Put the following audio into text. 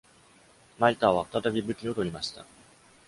マイターは、再び武器を取りました。